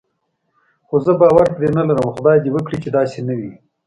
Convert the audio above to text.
خو زه باور پرې نه لرم، خدای دې وکړي چې داسې نه وي.